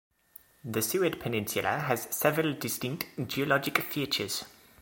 The Seward Peninsula has several distinct geologic features.